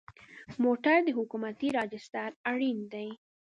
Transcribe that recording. موټر د حکومتي راجسټر اړین دی.